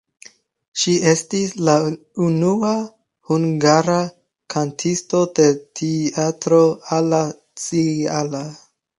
Ŝi estis la unua hungara kantisto de Teatro alla Scala.